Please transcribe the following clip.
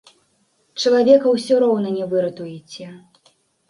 Чалавека ўсё роўна не выратуеце.